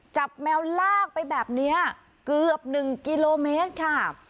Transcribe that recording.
จับแมวลากไปแบบเนี้ยเกือบหนึ่งกิโลเมตรค่ะ